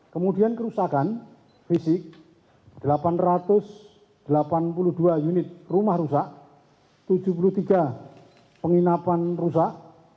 kemudian kerusakan fisik delapan ratus delapan puluh dua unit rumah rusak tujuh puluh tiga penginapan rusak